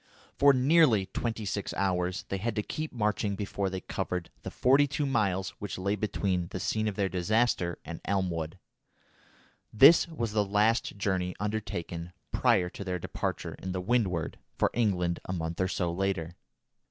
For nearly twenty six hours they had to keep marching before they covered the forty two miles which lay between the scene of their disaster and Elmwood. This was the last journey undertaken prior to their departure in the Windward for England a month or so later.